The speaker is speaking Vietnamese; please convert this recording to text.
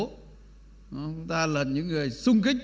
chúng ta là những người sung kích